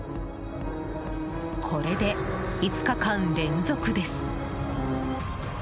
これで５日間連続です。